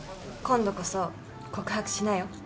今度こそ告白しなよ。